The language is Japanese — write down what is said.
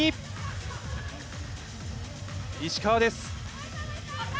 石川です。